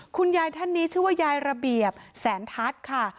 คุณยายท่านนี้ชื่อว่ายายระเบียบแสนทัศน์ค่ะ